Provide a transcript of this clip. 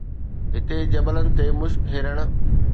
هتي جبلن تي مشڪ هرڻ